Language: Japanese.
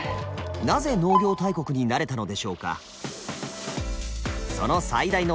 なぜ農業大国になれたのでしょうか。